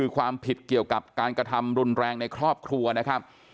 ความผิดเกี่ยวกับการกระทำรุนแรงในครอบครัวนะครับ